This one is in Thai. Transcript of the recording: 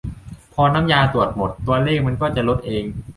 "พอน้ำยาตรวจหมด ตัวเลขมันก็จะลดเอง"